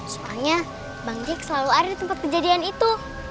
soalnya bang jik selalu ada di tempat kejadian itu